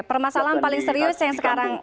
oke permasalahan paling serius yang sekarang sedang